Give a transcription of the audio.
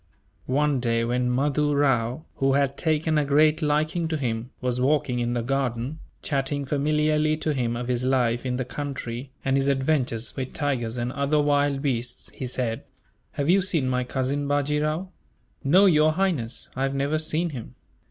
One day, when Mahdoo Rao, who had taken a great liking to him, was walking in the garden, chatting familiarly to him of his life in the country, and his adventures with tigers and other wild beasts, he said: "Have you seen my cousin, Bajee Rao?" "No, Your Highness, I have never seen him."